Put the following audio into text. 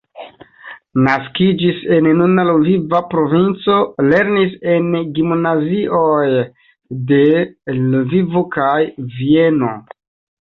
Naskiĝis en nuna Lviva provinco, lernis en gimnazioj de Lvivo kaj Vieno.